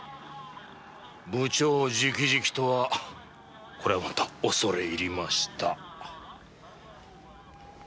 部長じきじきとはこれはまた恐れ入りました。